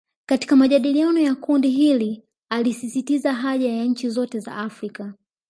Katika majadiliano ya kundi hili alisisitiza haja ya nchi zote za Afrika